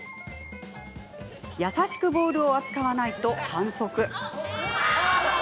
優しくボールを扱わないと反則。